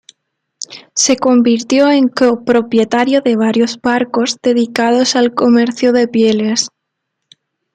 Se convirtió en copropietario de varios barcos dedicados al comercio de pieles.